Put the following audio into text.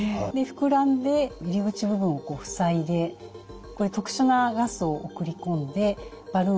膨らんで入り口部分を塞いでこれ特殊なガスを送り込んでバルーンを冷やしてます。